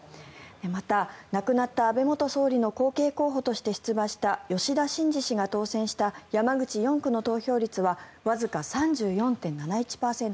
また、亡くなった安倍元総理の後継候補として出馬した吉田真次氏が当選した山口４区の投票率はわずか３４．７１％。